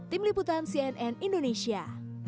tim liputan cnn indonesia